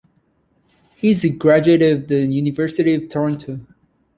He is a graduate of the University of Toronto.